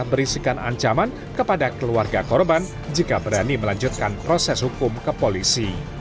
berisikan ancaman kepada keluarga korban jika berani melanjutkan proses hukum ke polisi